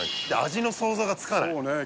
味の想像がつかないそうね